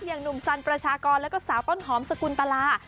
อย่างหนุ่มสันประชากรแล้วก็สาวต้นหอมสกุลตลา